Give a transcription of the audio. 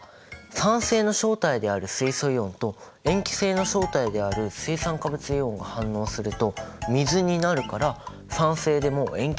酸性の正体である水素イオンと塩基性の正体である水酸化物イオンが反応すると水になるから酸性でも塩基性でもなくなるんだね。